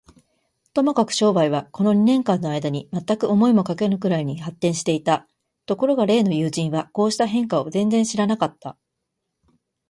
ともかく商売は、この二年間のあいだに、まったく思いもかけぬくらいに発展していた。ところが例の友人は、こうした変化を全然知らなかった。